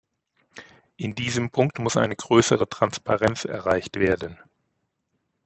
In diesem Punkt muss eine größere Transparenz erreicht werden.